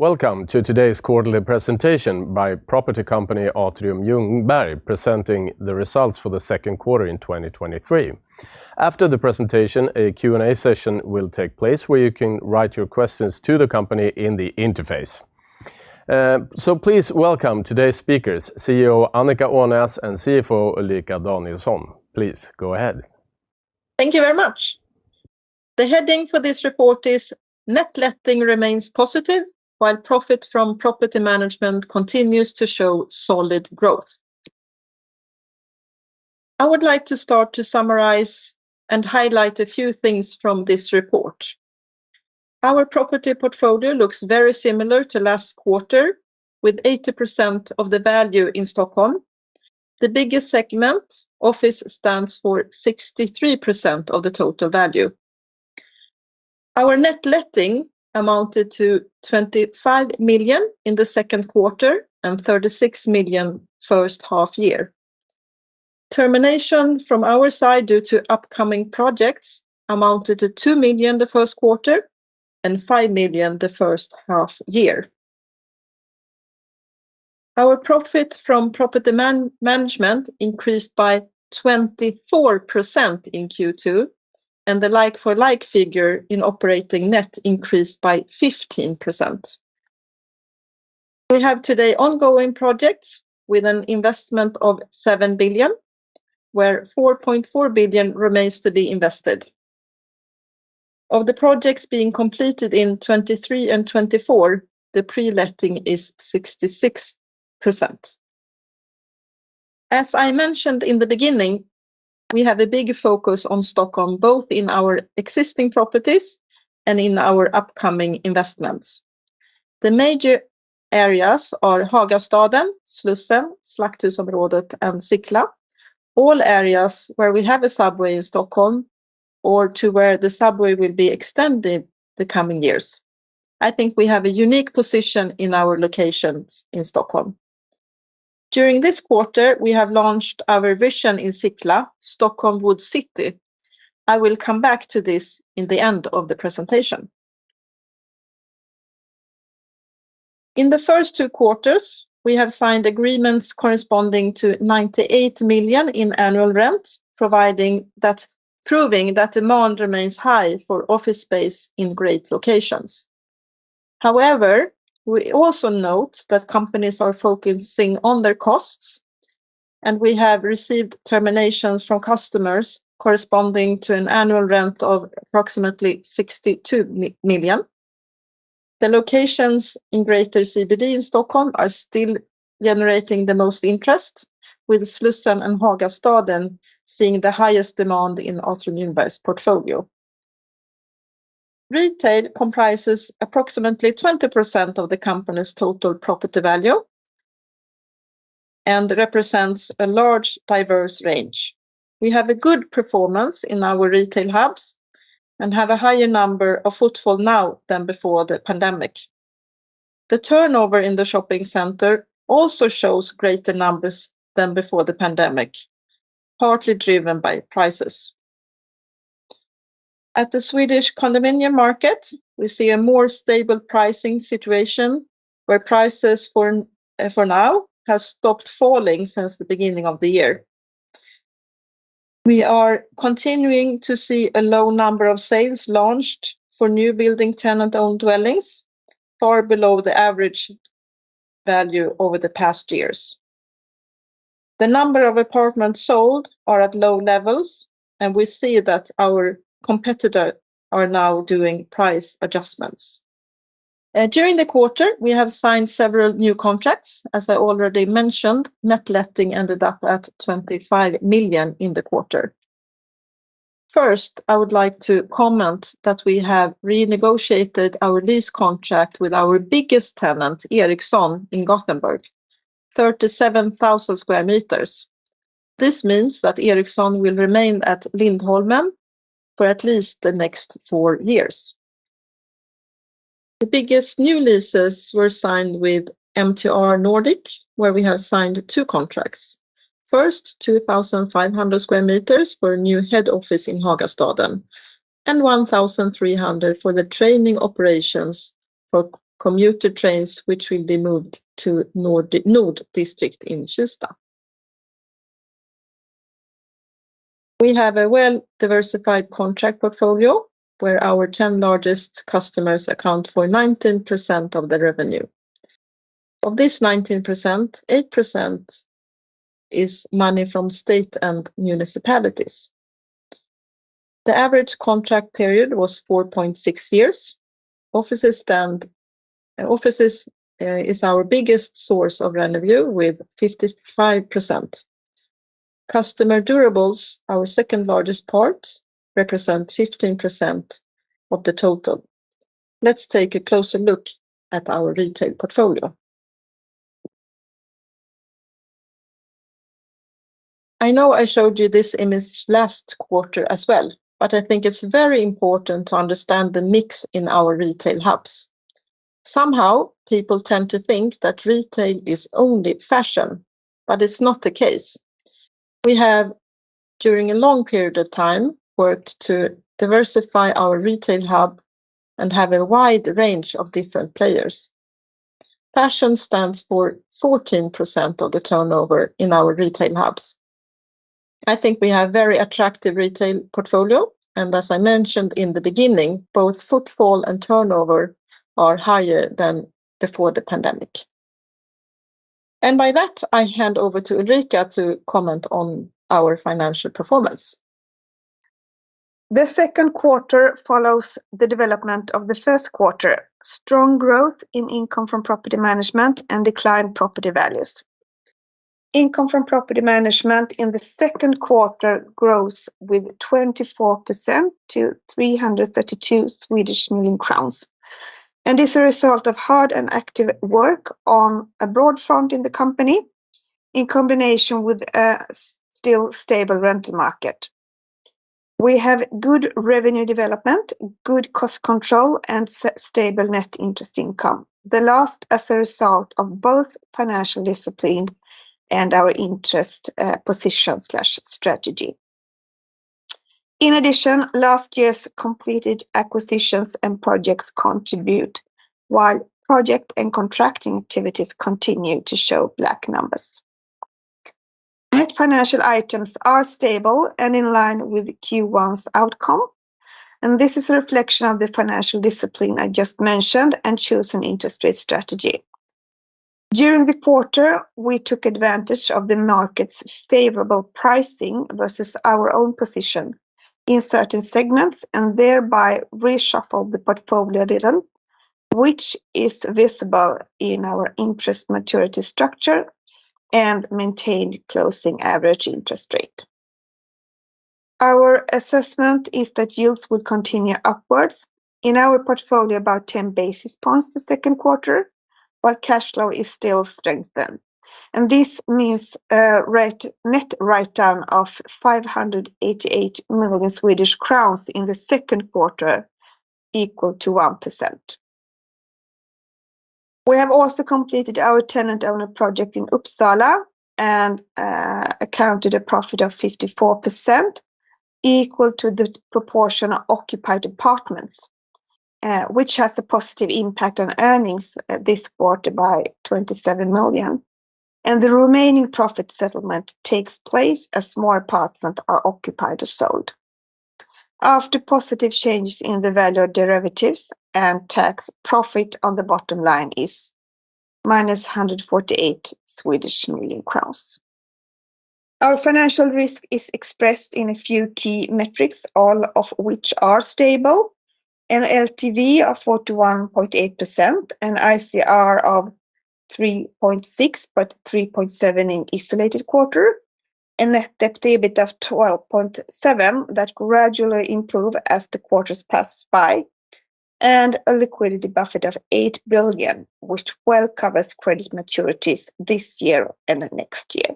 Welcome to today's quarterly presentation by property company Atrium Ljungberg, presenting the results for the second quarter in 2023. After the presentation, a Q&A session will take place, where you can write your questions to the company in the interface. Please welcome today's speakers, CEO Annica Ånäs, and CFO Ulrika Danielsson. Please, go ahead. Thank you very much. The heading for this report is Net Letting Remains Positive, while Profit from Property Management continues to show solid growth. I would like to start to summarize and highlight a few things from this report. Our property portfolio looks very similar to last quarter, with 80% of the value in Stockholm. The biggest segment, office, stands for 63% of the total value. Our net letting amounted to 25 million in the second quarter and 36 million first half year. Termination from our side due to upcoming projects amounted to 2 million the first quarter and 5 million the first half year. Our profit from property management increased by 24% in Q2, and the like-for-like figure in operating net increased by 15%. We have today ongoing projects with an investment of 7 billion, where 4.4 billion remains to be invested. Of the projects being completed in 2023 and 2024, the pre-letting is 66%. As I mentioned in the beginning, we have a big focus on Stockholm, both in our existing properties and in our upcoming investments. The major areas are Hagastaden, Slussen, Slakthusområdet, and Sickla. All areas where we have a subway in Stockholm, or to where the subway will be extended the coming years. I think we have a unique position in our locations in Stockholm. During this quarter, we have launched our vision in Sickla, Stockholm Wood City. I will come back to this in the end of the presentation. In the first two quarters, we have signed agreements corresponding to 98 million in annual rent, proving that demand remains high for office space in great locations. We also note that companies are focusing on their costs, and we have received terminations from customers corresponding to an annual rent of approximately 62 million. The locations in greater CBD in Stockholm are still generating the most interest, with Slussen and Hagastaden seeing the highest demand in Atrium Ljungberg's portfolio. Retail comprises approximately 20% of the company's total property value and represents a large, diverse range. We have a good performance in our retail hubs and have a higher number of footfall now than before the pandemic. The turnover in the shopping center also shows greater numbers than before the pandemic, partly driven by prices. At the Swedish condominium market, we see a more stable pricing situation, where prices for now, has stopped falling since the beginning of the year. We are continuing to see a low number of sales launched for new building tenant-owned dwellings, far below the average value over the past years. The number of apartments sold are at low levels, and we see that our competitors are now doing price adjustments. During the quarter, we have signed several new contracts. As I already mentioned, net letting ended up at 25 million in the quarter. First, I would like to comment that we have renegotiated our lease contract with our biggest tenant, Ericsson, in Gothenburg, 37,000 sq m. This means that Ericsson will remain at Lindholmen for at least the next 4 years. The biggest new leases were signed with MTR Nordic, where we have signed 2 contracts. First, 2,500 square meters for a new head office in Hagastaden, and 1,300 for the training operations for commuter trains, which will be moved to Nod District in Kista. We have a well-diversified contract portfolio, where our 10 largest customers account for 19% of the revenue. Of this 19%, 8% is money from state and municipalities. The average contract period was 4.6 years. Offices is our biggest source of revenue, with 55%. Customer durables, our second-largest part, represent 15% of the total. Let's take a closer look at our retail portfolio. I know I showed you this image last quarter as well, I think it's very important to understand the mix in our retail hubs. Somehow, people tend to think that retail is only fashion, it's not the case.... We have, during a long period of time, worked to diversify our retail hub and have a wide range of different players. Fashion stands for 14% of the turnover in our retail hubs. I think we have very attractive retail portfolio, and as I mentioned in the beginning, both footfall and turnover are higher than before the pandemic. By that, I hand over to Ulrika to comment on our financial performance. The second quarter follows the development of the first quarter. Strong growth in income from property management and declined property values. Income from property management in the second quarter grows with 24% to 332 million crowns, is a result of hard and active work on a broad front in the company, in combination with a still stable rental market. We have good revenue development, good cost control, and stable net interest income. The last, as a result of both financial discipline and our interest position/strategy. In addition, last year's completed acquisitions and projects contribute, while project and contracting activities continue to show black numbers. Net financial items are stable and in line with Q1's outcome, this is a reflection of the financial discipline I just mentioned and chosen interest rate strategy. During the quarter, we took advantage of the market's favorable pricing versus our own position in certain segments, thereby reshuffled the portfolio a little, which is visible in our interest maturity structure and maintained closing average interest rate. Our assessment is that yields will continue upwards. In our portfolio, about 10 basis points the second quarter, cash flow is still strengthened, this means a net write-down of 588 million Swedish crowns in the second quarter, equal to 1%. We have also completed our tenant owner project in Uppsala, accounted a profit of 54%, equal to the proportion of occupied apartments, which has a positive impact on earnings this quarter by 27 million, the remaining profit settlement takes place as more parts that are occupied or sold. After positive changes in the value of derivatives and tax, profit on the bottom line is -148 million crowns. Our financial risk is expressed in a few key metrics, all of which are stable. An LTV of 41.8%, an ICR of 3.6, 3.7 in isolated quarter, a net debt to EBIT of 12.7, that gradually improve as the quarters pass by, and a liquidity buffer of 8 billion, which well covers credit maturities this year and the next year,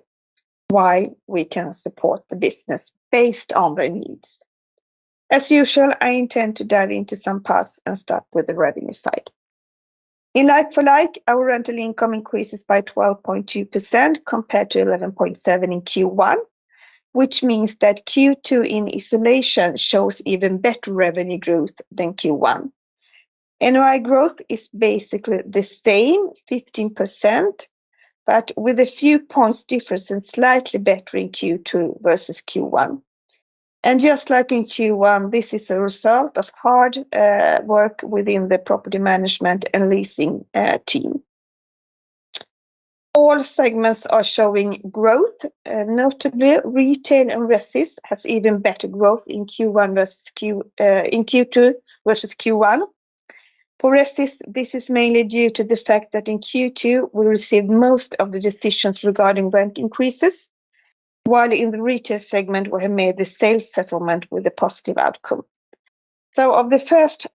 while we can support the business based on their needs. As usual, I intend to dive into some parts and start with the revenue side. In like-for-like, our rental income increases by 12.2% compared to 11.7% in Q1, which means that Q2 in isolation shows even better revenue growth than Q1. NOI growth is basically the same, 15%, with a few points difference and slightly better in Q2 versus Q1. Just like in Q1, this is a result of hard work within the property management and leasing team. All segments are showing growth, notably, retail and resi has even better growth in Q2 versus Q1. For resi, this is mainly due to the fact that in Q2, we received most of the decisions regarding rent increases, while in the retail segment, we have made the sales settlement with a positive outcome. Of the first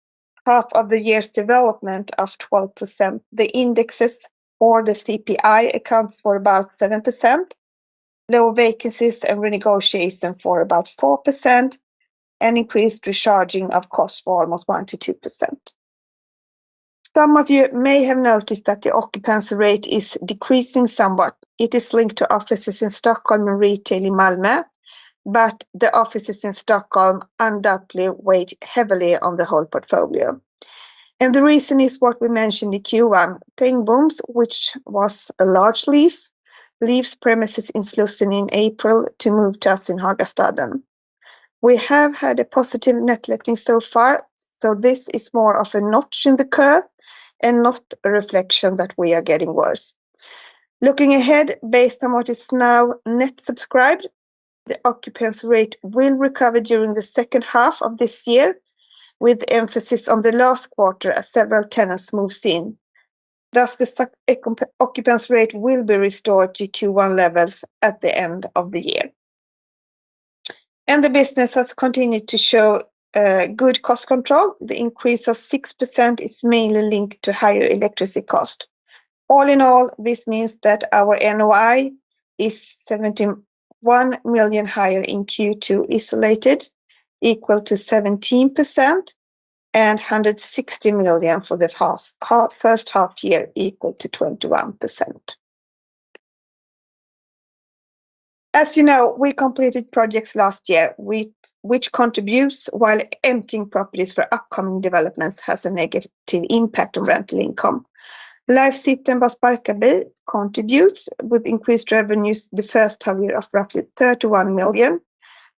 half of the year's development of 12%, the indexes for the CPI accounts for about 7%, lower vacancies and renegotiation for about 4%, and increased recharging of cost for almost 1-2%. Some of you may have noticed that the occupancy rate is decreasing somewhat. It is linked to offices in Stockholm and retail in Malmö, the offices in Stockholm undoubtedly weigh heavily on the whole portfolio. The reason is what we mentioned in Q1, Tengbom, which was a large lease, leaves premises in Slussen in April to move to us in Hagastaden. We have had a positive net letting so far, this is more of a notch in the curve and not a reflection that we are getting worse. Looking ahead, based on what is now net subscribed, the occupancy rate will recover during the second half of this year, with emphasis on the last quarter as several tenants moves in. Thus, the occupancy rate will be restored to Q1 levels at the end of the year. The business has continued to show good cost control. The increase of 6% is mainly linked to higher electricity cost. All in all, this means that our NOI is 71 million higher in Q2, isolated, equal to 17% and 160 million for the past half, first half year equal to 21%. As you know, we completed projects last year, which contributes while emptying properties for upcoming developments has a negative impact on rental income. Life City and Bas Barkarby contributes with increased revenues the first half year of roughly 31 million,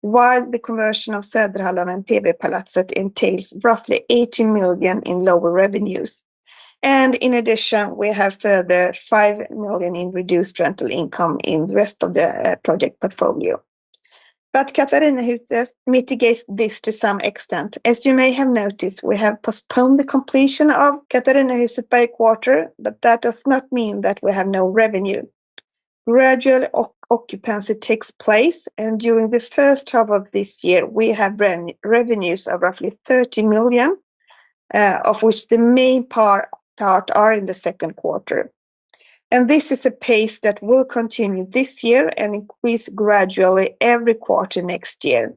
while the conversion of Söderhallarna and PUB-Palatset entails roughly 80 million in lower revenues. In addition, we have further 5 million in reduced rental income in the rest of the project portfolio. Katarinahuset mitigates this to some extent. As you may have noticed, we have postponed the completion of Katarinahuset by a quarter, that does not mean that we have no revenue. Gradual occupancy takes place, during the first half of this year, we have revenues of roughly 30 million, of which the main part are in the second quarter. This is a pace that will continue this year and increase gradually every quarter next year.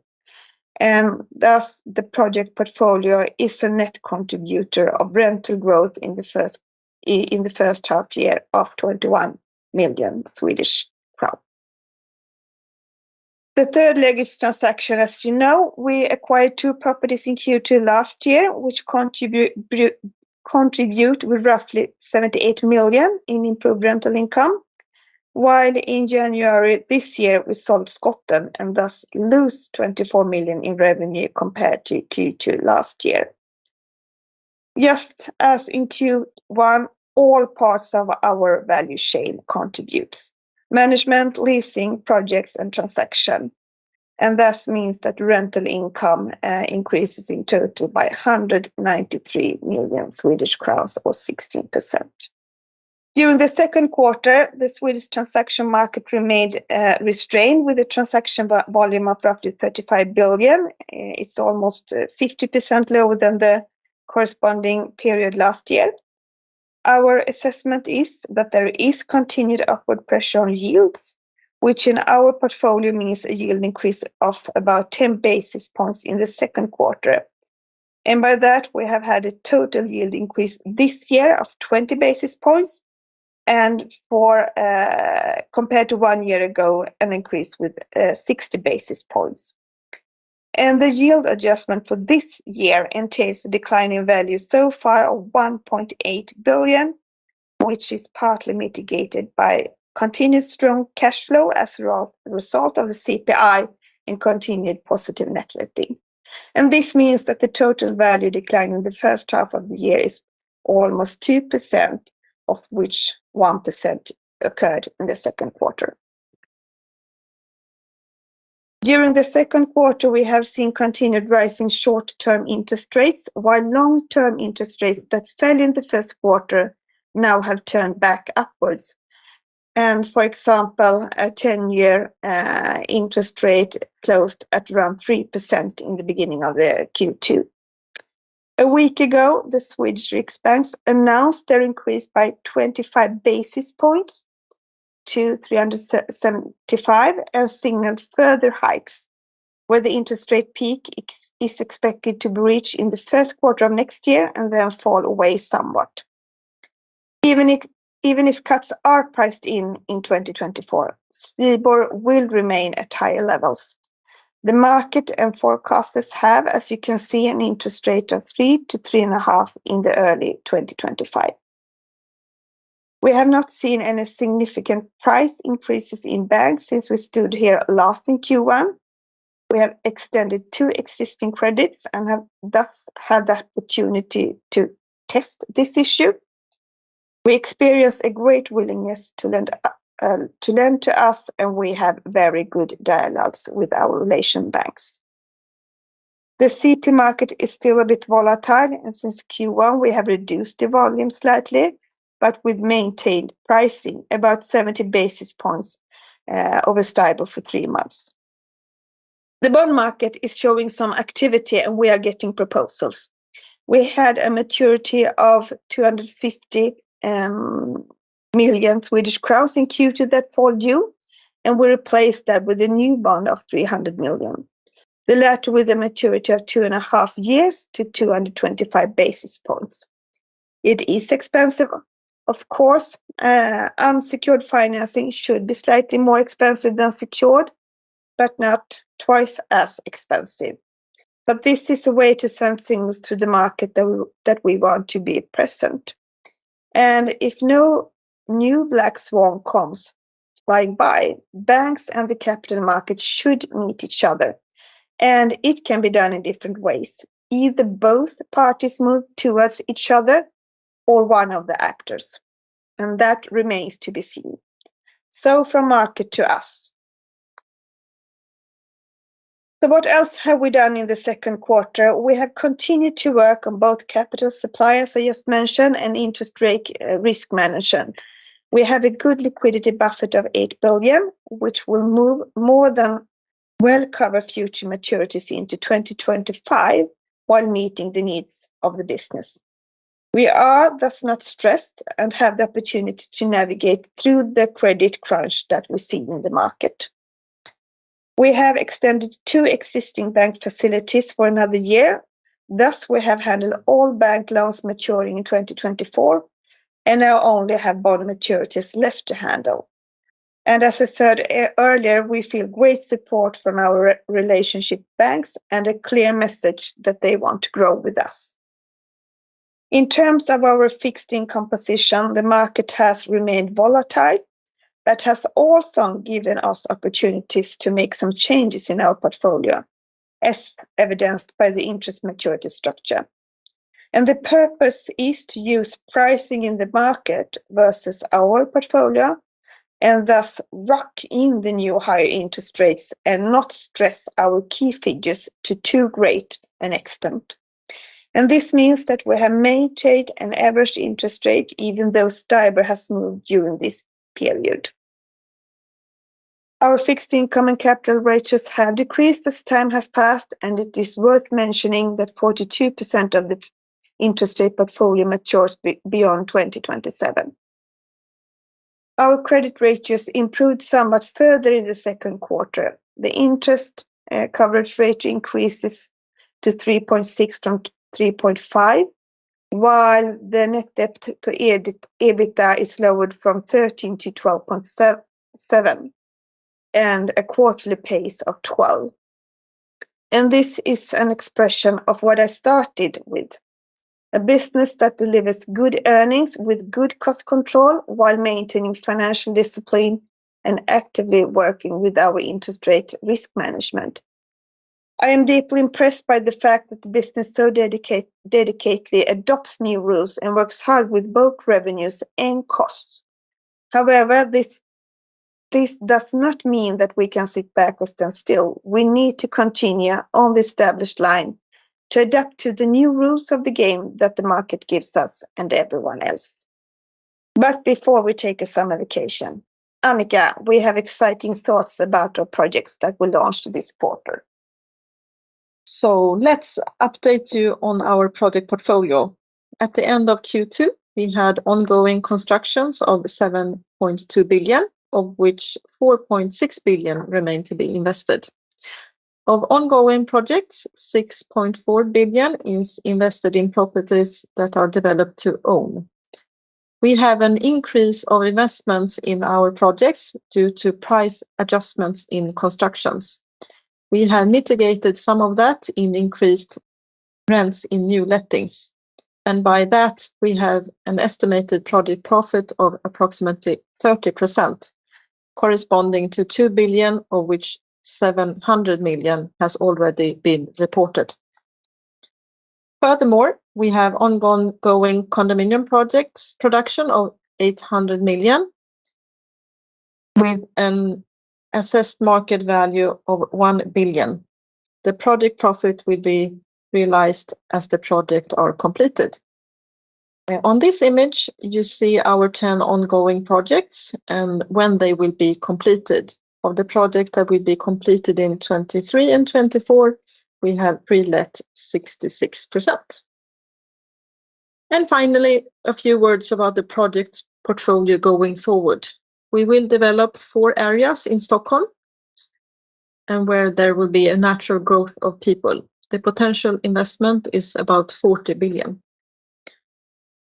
Thus, the project portfolio is a net contributor of rental growth in the first half year of 21 million. The third leg is transaction. As you know, we acquired two properties in Q2 last year, which contribute with roughly 78 million in improved rental income, while in January this year, we sold Skotten and thus lose 24 million in revenue compared to Q2 last year. Just as in Q1, all parts of our value chain contributes: management, leasing, projects, and transaction. Thus means that rental income increases in total by 193 million Swedish crowns or 16%. During the second quarter, the Swedish transaction market remained restrained with a transaction volume of roughly 35 billion. It's almost 50% lower than the corresponding period last year. Our assessment is that there is continued upward pressure on yields, which in our portfolio means a yield increase of about 10 basis points in the second quarter. By that, we have had a total yield increase this year of 20 basis points, and for, compared to 1 year ago, an increase with 60 basis points. The yield adjustment for this year entails a decline in value so far of 1.8 billion, which is partly mitigated by continuous strong cash flow as a result of the CPI and continued positive net letting. This means that the total value decline in the first half of the year is almost 2%, of which 1% occurred in the second quarter. During the second quarter, we have seen continued rising short-term interest rates, while long-term interest rates that fell in the first quarter now have turned back upwards. For example, a 10-year interest rate closed at around 3% in the beginning of the Q2. A week ago, Sveriges Riksbank announced their increase by 25 basis points to 3.75% and signaled further hikes, where the interest rate peak is expected to be reached in the first quarter of next year and then fall away somewhat. Even if cuts are priced in in 2024, STIBOR will remain at higher levels. The market and forecasters have, as you can see, an interest rate of 3 to 3.5 in the early 2025. We have not seen any significant price increases in banks since we stood here last in Q1. We have extended 2 existing credits and have thus had the opportunity to test this issue. We experienced a great willingness to lend to us, and we have very good dialogues with our relation banks. The CP market is still a bit volatile. Since Q1, we have reduced the volume slightly, but with maintained pricing, about 70 basis points over STIBOR for three months. The bond market is showing some activity. We are getting proposals. We had a maturity of 250 million Swedish crowns in Q2 that fall due. We replaced that with a new bond of 300 million. The latter with a maturity of two and a half years to 225 basis points. It is expensive, of course. Unsecured financing should be slightly more expensive than secured, but not twice as expensive. This is a way to send signals to the market that we want to be present, and if no new black swan comes flying by, banks and the capital markets should meet each other, and it can be done in different ways. Either both parties move towards each other or one of the actors, and that remains to be seen. From market to us. What else have we done in the second quarter? We have continued to work on both capital suppliers, as I just mentioned, and interest rate risk management. We have a good liquidity buffet of 8 billion, which will move more than well cover future maturities into 2025, while meeting the needs of the business. We are thus not stressed and have the opportunity to navigate through the credit crunch that we see in the market.... We have extended two existing bank facilities for another year, thus, we have handled all bank loans maturing in 2024, and now only have bond maturities left to handle. As I said earlier, we feel great support from our relationship banks and a clear message that they want to grow with us. In terms of our fixed income position, the market has remained volatile, but has also given us opportunities to make some changes in our portfolio, as evidenced by the interest maturity structure. The purpose is to use pricing in the market versus our portfolio, and thus lock in the new higher interest rates and not stress our key figures to too great an extent. This means that we have maintained an average interest rate, even though STIBOR has moved during this period. Our fixed income and capital ratios have decreased as time has passed, and it is worth mentioning that 42% of the interest rate portfolio matures beyond 2027. Our credit ratios improved somewhat further in the second quarter. The interest coverage ratio increases to 3.6 from 3.5, while the net debt to EBITDA is lowered from 13 to 12.7, and a quarterly pace of 12. This is an expression of what I started with, a business that delivers good earnings with good cost control while maintaining financial discipline and actively working with our interest rate risk management. I am deeply impressed by the fact that the business so dedicatedly adopts new rules and works hard with both revenues and costs. However, this does not mean that we can sit back or stand still. We need to continue on the established line to adapt to the new rules of the game that the market gives us and everyone else. Before we take a summer vacation, Annica, we have exciting thoughts about our projects that we launched this quarter. Let's update you on our project portfolio. At the end of Q2, we had ongoing constructions of 7.2 billion, of which 4.6 billion remain to be invested. Of ongoing projects, 6.4 billion is invested in properties that are developed to own. We have an increase of investments in our projects due to price adjustments in constructions. We have mitigated some of that in increased rents in new lettings, and by that, we have an estimated project profit of approximately 30%, corresponding to 2 billion, of which 700 million has already been reported. Furthermore, we have ongoing condominium projects, production of 800 million, with an assessed market value of 1 billion. The project profit will be realized as the project are completed. On this image, you see our 10 ongoing projects and when they will be completed. Of the project that will be completed in 2023 and 2024, we have pre-let 66%. Finally, a few words about the project portfolio going forward. We will develop 4 areas in Stockholm, and where there will be a natural growth of people. The potential investment is about 40 billion.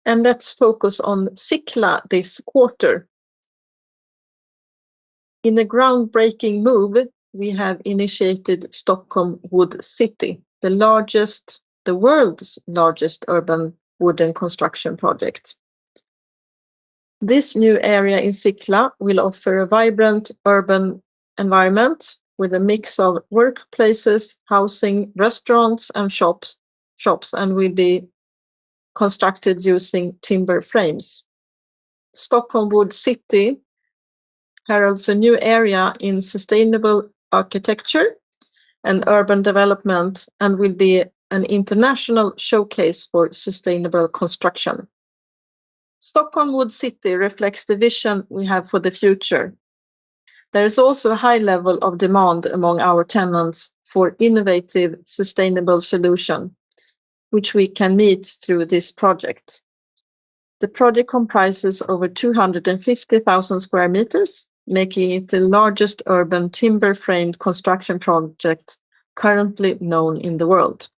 Let's focus on Sickla this quarter. In a groundbreaking move, we have initiated Stockholm Wood City, the world's largest urban wooden construction project. This new area in Sickla will offer a vibrant urban environment with a mix of workplaces, housing, restaurants, and shops, and will be constructed using timber frames. Stockholm Wood City heralds a new area in sustainable architecture and urban development and will be an international showcase for sustainable construction. Stockholm Wood City reflects the vision we have for the future. There is also a high level of demand among our tenants for innovative, sustainable solution, which we can meet through this project. The project comprises over 250,000 square meters, making it the largest urban timber-framed construction project currently known in the world.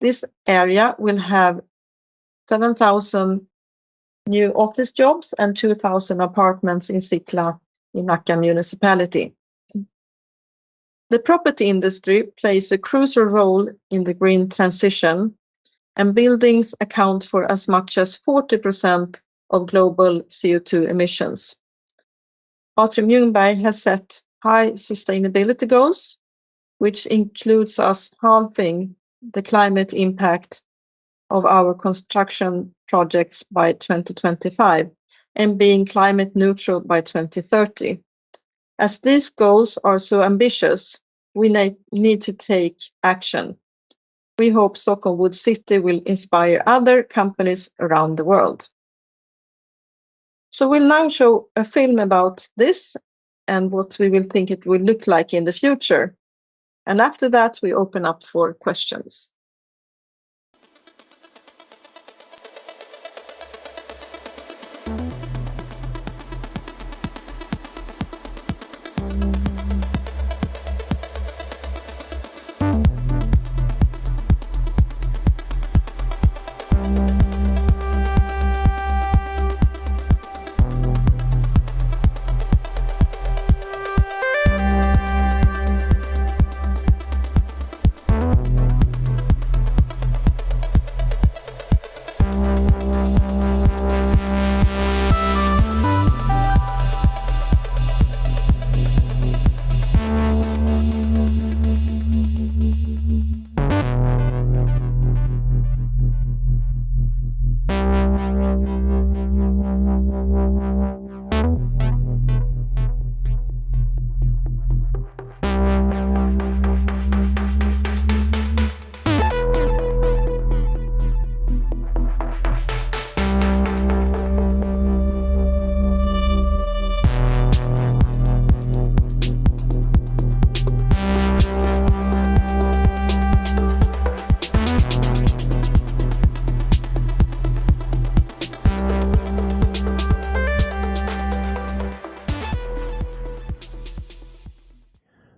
This area will have 7,000 new office jobs and 2,000 apartments in Sickla, in Nacka Municipality. The property industry plays a crucial role in the green transition, buildings account for as much as 40% of global CO2 emissions. Atrium Ljungberg has set high sustainability goals, which includes us halving the climate impact of our construction projects by 2025 and being climate neutral by 2030. As these goals are so ambitious, we need to take action. We hope Stockholm Wood City will inspire other companies around the world. We'll now show a film about this and what we will think it will look like in the future. After that, we open up for questions.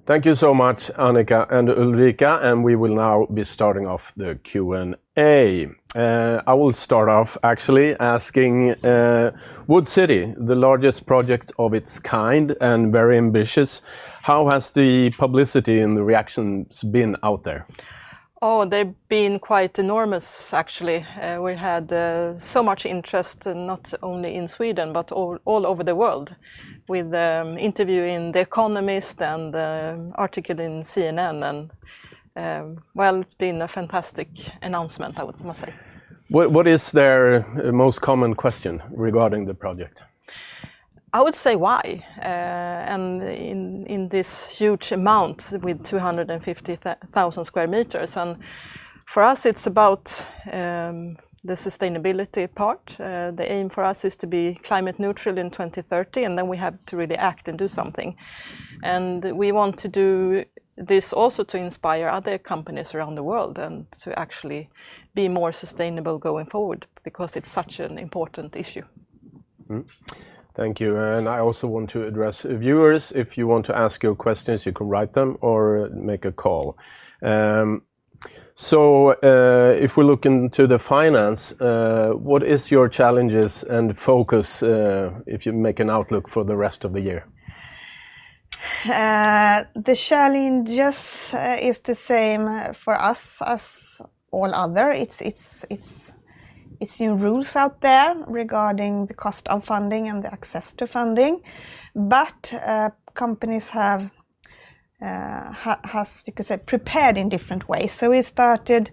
Thank you so much, Annica and Ulrika. We will now be starting off the Q&A. I will start off actually asking, Wood City, the largest project of its kind and very ambitious, how has the publicity and the reactions been out there? Oh, they've been quite enormous, actually. We had so much interest, not only in Sweden, but all over the world, with interview in The Economist and the article in CNN. Well, it's been a fantastic announcement, I would must say. What is their most common question regarding the project? I would say why? In this huge amount with 250,000 square meters, for us, it's about the sustainability part. The aim for us is to be climate neutral in 2030. We have to really act and do something. We want to do this also to inspire other companies around the world and to actually be more sustainable going forward because it's such an important issue. Thank you. I also want to address viewers. If you want to ask your questions, you can write them or make a call. If we look into the finance, what is your challenges and focus, if you make an outlook for the rest of the year? The challenge just is the same for us as all other. It's new rules out there regarding the cost of funding and the access to funding. Companies have, you could say, prepared in different ways. We started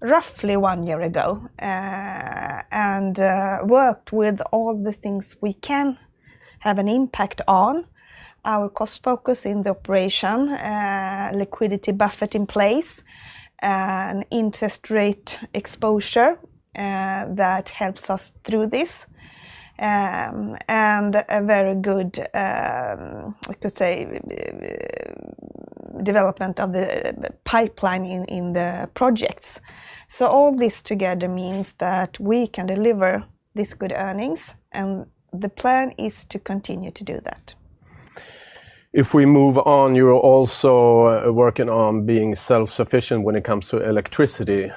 roughly 1 year ago and worked with all the things we can have an impact on, our cost focus in the operation, liquidity buffer in place, and interest rate exposure that helps us through this, and a very good, I could say, development of the pipeline in the projects. All this together means that we can deliver this good earnings, and the plan is to continue to do that. If we move on, you are also working on being self-sufficient when it comes to electricity,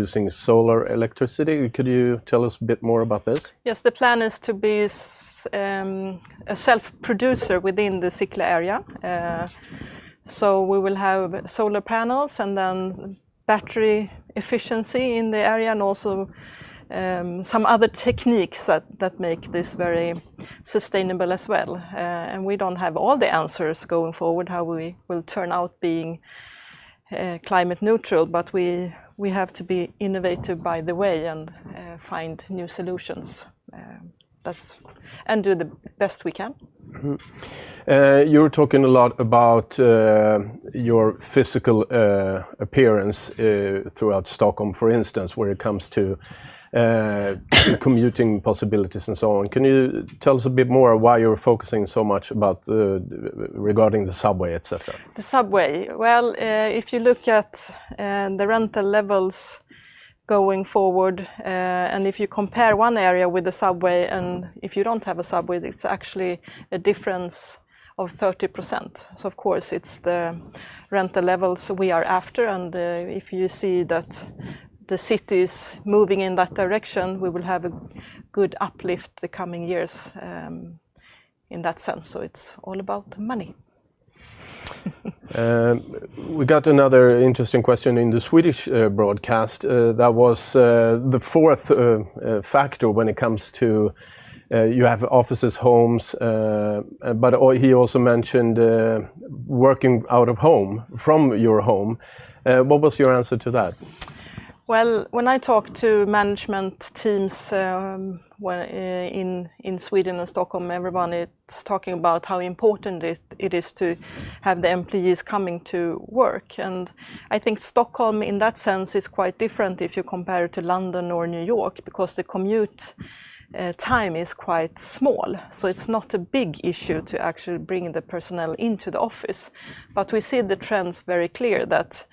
using solar electricity. Could you tell us a bit more about this? Yes, the plan is to be a self-producer within the Sickla area. We will have solar panels and then battery efficiency in the area and also, some other techniques that make this very sustainable as well. We don't have all the answers going forward, how we will turn out being, climate neutral, but we have to be innovative by the way, and find new solutions, that's. Do the best we can. You were talking a lot about your physical appearance throughout Stockholm, for instance, when it comes to commuting possibilities and so on. Can you tell us a bit more why you're focusing so much about the, regarding the subway, et cetera? The subway. Well, if you look at the rental levels going forward, and if you compare one area with the subway, and if you don't have a subway, it's actually a difference of 30%. Of course, it's the rental levels we are after, and if you see that the city is moving in that direction, we will have a good uplift the coming years, in that sense, so it's all about the money. We got another interesting question in the Swedish broadcast. That was the fourth factor when it comes to... You have offices, homes, but he also mentioned working out of home, from your home. What was your answer to that? When I talk to management teams, in Sweden and Stockholm, everyone is talking about how important it is to have the employees coming to work. I think Stockholm, in that sense, is quite different if you compare it to London or New York because the commute time is quite small. It's not a big issue to actually bring the personnel into the office. We see the trends very clear, that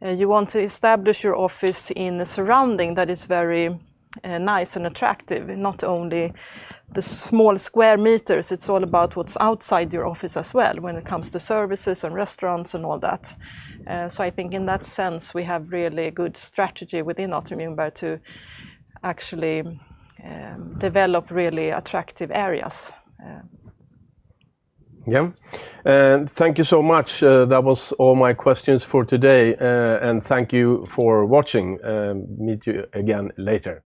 you want to establish your office in a surrounding that is very nice and attractive, not only the small square meters. It's all about what's outside your office as well when it comes to services and restaurants and all that. I think in that sense, we have really good strategy within Atrium Ljungberg to actually develop really attractive areas. Yeah, thank you so much. That was all my questions for today, thank you for watching. Meet you again later.